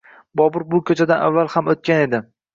Bobur bu koʻchadan avval ham oʻtgan edi.